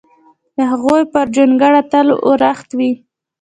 د هغوی پر جونګړه تل اورښت وي!